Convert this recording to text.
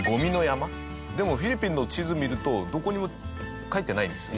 でもフィリピンの地図見るとどこにも書いてないんですよ。